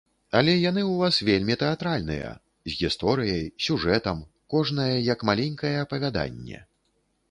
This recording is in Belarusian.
Але яны ў вас вельмі тэатральныя, з гісторыяй, сюжэтам, кожная як маленькае апавяданне.